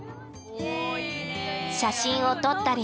写真を撮ったり。